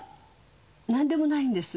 何でもないんです。